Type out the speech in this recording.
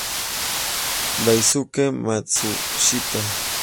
Daisuke Matsushita